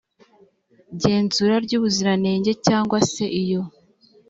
genzura ry ubuziranenge cyangwa se iyo